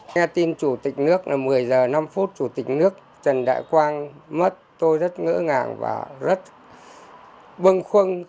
nghe tin chủ tịch nước là một mươi h năm chủ tịch nước trần đại quang mất tôi rất ngỡ ngàng và rất bưng khuâng